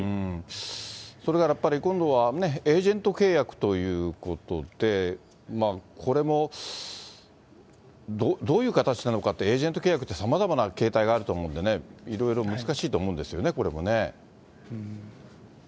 それからやっぱり、今度はエージェント契約ということで、これもどういう形なのかって、エージェント契約って、さまざまな形態があると思うんでね、いろいろ難しいと思うんですよね、これもね。